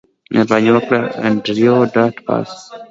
مهرباني وکړه انډریو ډاټ باس